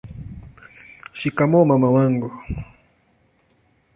shikamoo mama wangu